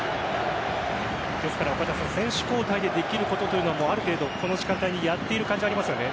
ですから選手交代でできることというのはある程度、この時間帯にやっている感じありますよね。